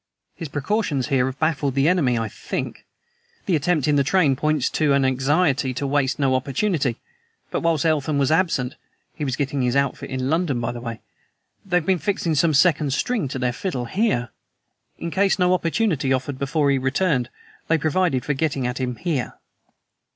"His precautions here have baffled the enemy, I think. The attempt in the train points to an anxiety to waste no opportunity. But whilst Eltham was absent (he was getting his outfit in London, by the way) they have been fixing some second string to their fiddle here. In case no opportunity offered before he returned, they provided for getting at him here!"